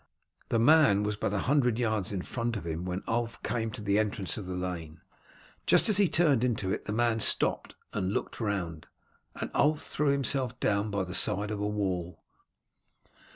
The man was but a hundred yards in front of him when Ulf came to the entrance of the lane. Just as he turned into it the man stopped and looked round, and Ulf threw himself down by the side of a wall.